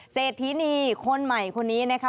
เศรษฐีนีคนใหม่คนนี้นะคะ